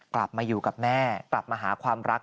กลับมาอยู่กับแม่กลับมาหาความรัก